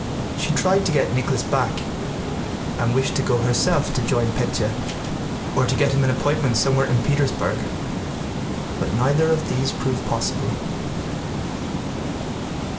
She tried to get Nicholas back and wished to go herself to join Pétya, or to get him an appointment somewhere in Petersburg, but neither of these proved possible.